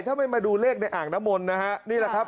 ถ้าไม่มาดูเลขในอ่างน้ำมนต์นะฮะนี่แหละครับ